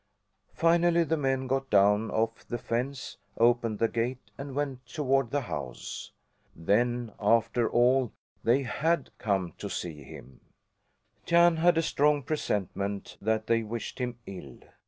Finally the men got down off the fence, opened the gate, and went toward the house. Then, after all, they had come to see him! Jan had a strong presentment that they wished him ill.